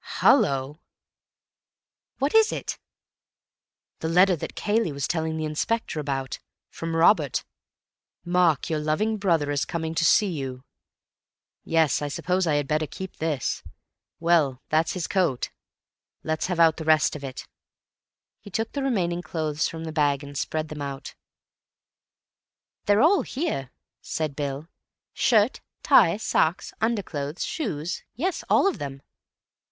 Hallo!" "What is it?" "The letter that Cayley was telling the Inspector about. From Robert. 'Mark, your loving brother is coming to see you—' Yes, I suppose I had better keep this. Well, that's his coat. Let's have out the rest of it." He took the remaining clothes from the bag and spread them out. "They're all here," said Bill. "Shirt, tie, socks, underclothes, shoes—yes, all of them."